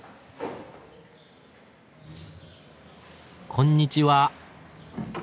こんにちは。